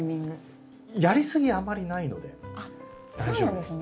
やりすぎあまりないので大丈夫です。